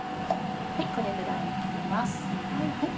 これぐらいに切ります。